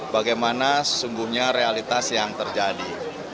bagaimana sesungguhnya realitas yang terjadi